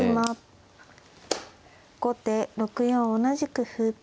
後手６四同じく歩。